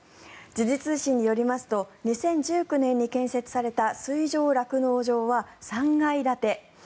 時事通信によりますと２０１９年に建設された水上酪農場は３階建て。